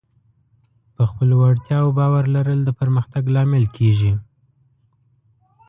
په خپلو وړتیاوو باور لرل د پرمختګ لامل کېږي.